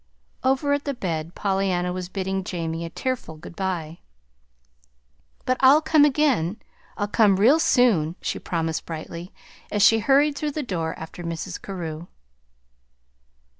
Over at the bed Pollyanna was bidding Jamie a tearful good by. "But I'll come again. I'll come real soon," she promised brightly, as she hurried through the door after Mrs. Carew.